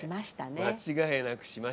間違いなくしましたね。